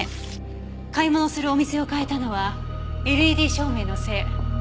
買い物するお店を変えたのはＬＥＤ照明のせい。